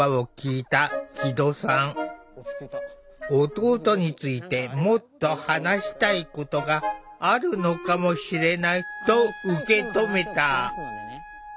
弟についてもっと話したいことがあるのかもしれないと受け止めた。